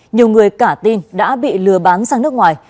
nhiều người cả tin đã bị lừa bán sang nước ngoài